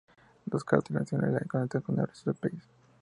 Dos carreteras nacionales la conectan con el resto del país.